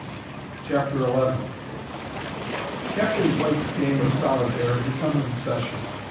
CHAPTER XI Captain Blake's game of solitaire had become an obsession.